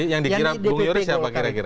yang dikira buliuri siapa kira kira